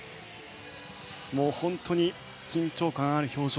本当に緊張感ある表情。